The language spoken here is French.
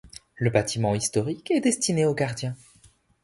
Le bâtiment historique est destiné aux gardiens.